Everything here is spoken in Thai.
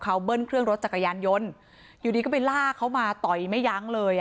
แต่คนที่เบิ้ลเครื่องรถจักรยานยนต์แล้วเค้าก็ลากคนนั้นมาทำร้ายร่างกาย